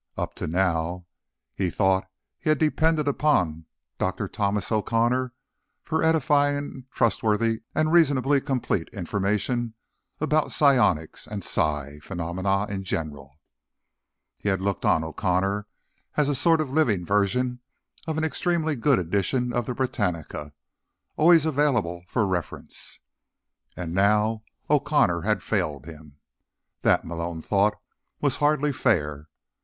Up to now, he thought, he had depended on Dr. Thomas O'Connor for edifying, trustworthy and reasonably complete information about psionics and psi phenomena in general. He had looked on O'Connor as a sort of living version of an extremely good edition of the Britannica, always available for reference. And now O'Connor had failed him. That, Malone thought, was hardly fair.